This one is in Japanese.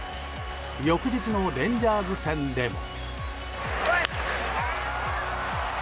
翌日のレンジャーズ戦でも。